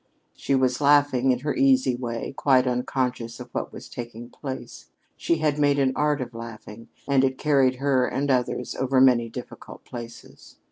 She was laughing in her easy way, quite unconscious of what was taking place. She had made an art of laughing, and it carried her and others over many difficult places.